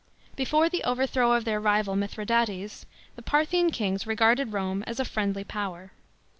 Before the overthrow of their rival Mithradates, the Parthian kings regarded Rome as a friendly power.